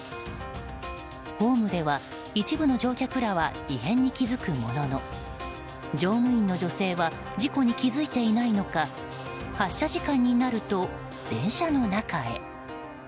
ホームでは一部の乗客らは異変に気付くものの乗務員の女性は事故に気付いていないのか発車時間になると電車の中へ。